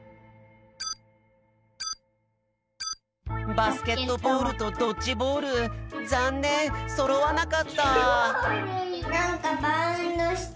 バスケットボールとドッジボールざんねんそろわなかった！